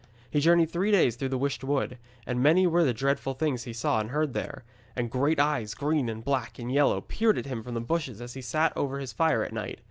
He journeyed three days through the Wisht Wood, and many were the dreadful things he saw and heard there, and great eyes, green and black and yellow, peered at him from the bushes as he sat over his fire at night.